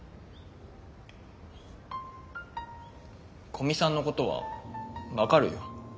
古見さんのことは分かるよ。